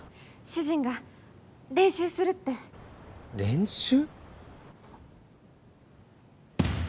主人が練習するって練習？